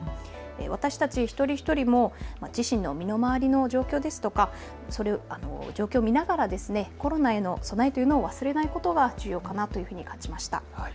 私たち一人一人も自身の身の回りの状況を見ながらコロナへの備えというのを忘れないことが重要かなと感じました。